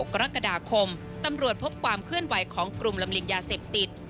กรกฎาคมตำรวจพบความเคลื่อนไหวของกลุ่มลำเลียงยาเสพติด